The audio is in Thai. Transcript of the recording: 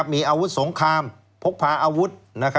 มีอาวุธสงครามพกพาอาวุธ